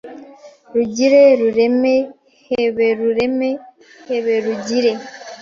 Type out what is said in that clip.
“Rugire, Rureme, Heberureme, Heberugire”;